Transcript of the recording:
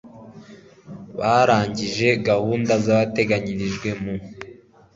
Abarangije gahunda zabateganyirijwe mu